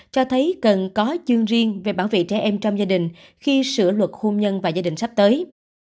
cho thấy cần có chương riêng về bảo vệ trẻ em trong gia đình khi sửa luật hôn nhân và gia đình sắp tới